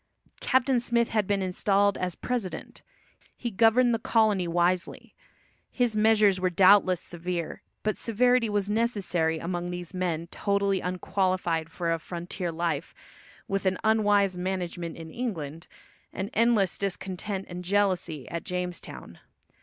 Captain Smith had been installed as president. He governed the colony wisely. His measures were doubtless severe, but severity was necessary among these men totally unqualified for a frontier life, with an unwise management in England, and endless discontent and jealousy at Jamestown.